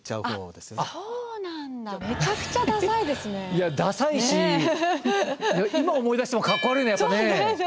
いやダサいし今思い出してもかっこ悪いねやっぱね。